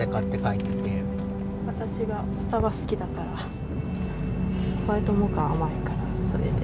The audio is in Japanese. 私がスタバ好きだからホワイトモカは甘いからそれで。